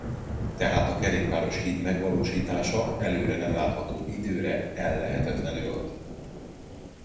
Tehát a kerékpáros híd megvalósítása előre nem látható időre ellehetetlenült.